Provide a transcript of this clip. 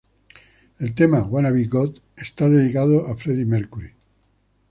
El tema ¨Wanna Be God¨ está dedicado a Freddie Mercury.